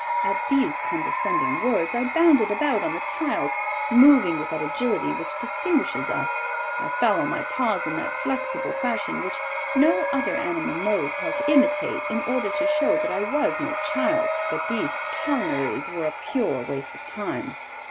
At these condescending words, I bounded about on the tiles, moving with that agility which distinguishes us; I fell on my paws in that flexible fashion which no other animal knows how to imitate in order to show that I was no child. But these calineries were a pure waste of time.